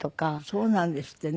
そうなんですってね。